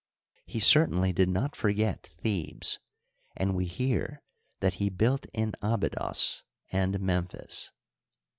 He certainly did not forget Thebes, and we hear that he built in Abydos and Memphis.